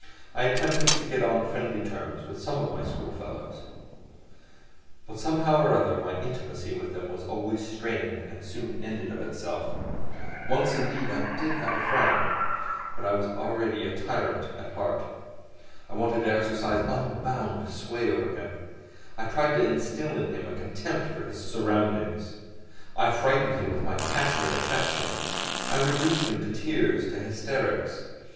I attempted to get on friendly terms with some of my schoolfellows; but somehow or other my intimacy with them was always strained and soon ended of itself. Once, indeed, I did have a friend. But I was already a tyrant at heart; I wanted to exercise unbounded sway over him; I tried to instil into him a contempt for his surroundings; I required of him a disdainful and complete break with those surroundings. I frightened him with my passionate affection; I reduced him to tears, to hysterics.